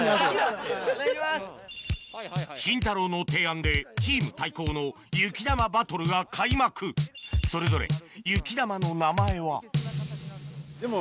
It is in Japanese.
シンタローの提案でチーム対抗の雪玉バトルが開幕それぞれ雪玉の名前はでも。